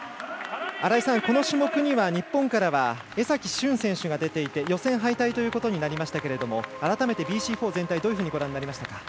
新井さん、この種目には日本からは江崎駿選手が出ていて予選敗退ということになりましたけれども改めて、ＢＣ４全体どうご覧になりましたか？